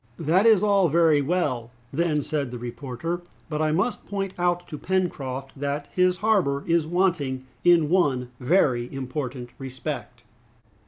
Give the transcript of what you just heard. "That is all very well," then said the reporter, "but I must point out to Pencroft that his harbor is wanting in one very important respect!"